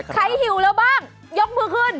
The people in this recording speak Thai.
หิวแล้วบ้างยกมือขึ้น